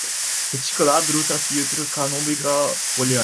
reticulado, ultrafiltro, canônica, booleana